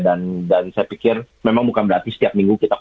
dan saya pikir memang bukan berarti setiap minggu kita